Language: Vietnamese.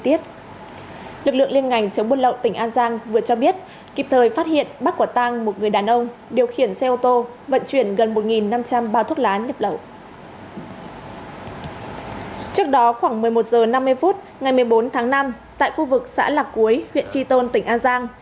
trước đó khoảng một mươi một h năm mươi phút ngày một mươi bốn tháng năm tại khu vực xã lạc cuối huyện tri tôn tỉnh an giang